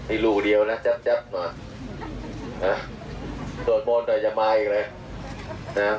อีกรูเดียวนะจั๊บจั๊บหนอโดรดบนด้วยอย่ามาอีกเลย